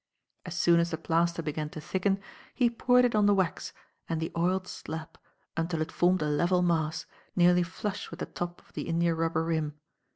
As soon as the plaster began to thicken, he poured it on the wax and the oiled slab until it formed a level mass, nearly flush with the top of the india rubber rim.